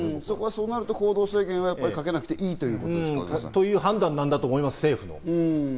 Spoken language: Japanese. そうなると行動制限はかけなくていいということですか？という政府の判断だと思います。